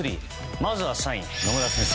まずは３位野村先生